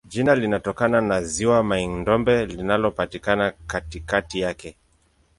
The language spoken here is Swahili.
Jina linatokana na ziwa Mai-Ndombe linalopatikana katikati yake.